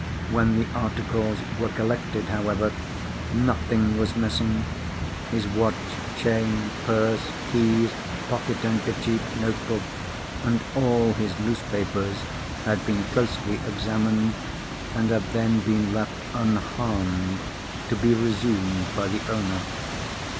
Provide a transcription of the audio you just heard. When the articles were collected, however, nothing was missing; his watch, chain, purse, keys, pocket handkerchief, note book, and all his loose papers had been closely examined, and had then been left unharmed to be resumed by the owner.